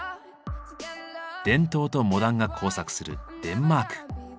伝統とモダンが交錯するデンマーク。